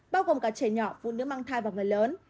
bao gồm cả trẻ nhỏ phụ nữ mang thai và người lớn